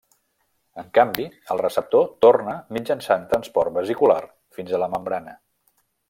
En canvi, el receptor torna mitjançant transport vesicular fins a la membrana.